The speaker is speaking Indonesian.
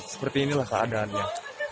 seperti inilah keadaannya